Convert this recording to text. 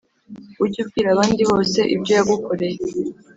ujy'ubwir' abandi bose ibyo yagukoreye;